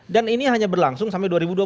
dan ini hanya berlangsung sampai